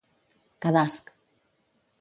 Cadasc